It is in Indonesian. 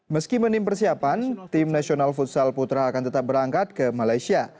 meski menim persiapan tim nasional futsal putra akan tetap berangkat ke malaysia